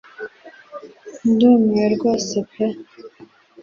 Ndumiwe rwose pe